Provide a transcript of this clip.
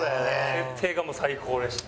設定がもう最高でした。